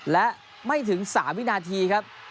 และไม่ถึง๓วินาทีครับ